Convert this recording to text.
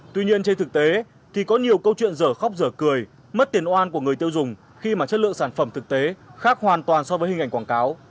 tuy nhiên trên thực tế thì có nhiều câu chuyện giờ khóc dở cười mất tiền oan của người tiêu dùng khi mà chất lượng sản phẩm thực tế khác hoàn toàn so với hình ảnh quảng cáo